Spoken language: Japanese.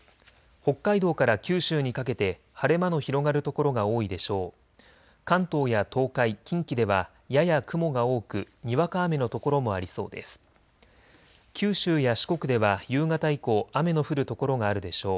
北海道から九州にかけて晴れ間の広がる所が多いでしょう。